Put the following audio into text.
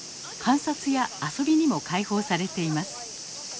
観察や遊びにも開放されています。